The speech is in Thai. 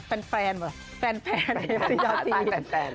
แฟนแฟนเหรอแฟนแฟน